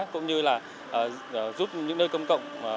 cũng như giúp những nơi công cộng